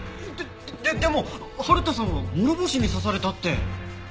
ででも春田さんは諸星に刺されたって。